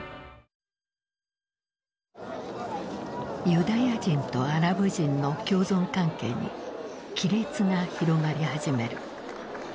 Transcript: ユダヤ人とアラブ人の共存関係に亀裂が広がり始める。